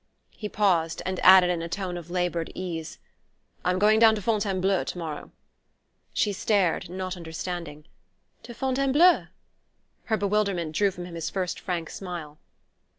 He paused, and added in a tone of laboured ease: "I'm going down to Fontainebleau to morrow " She stared, not understanding. "To Fontainebleau ?" Her bewilderment drew from him his first frank smile.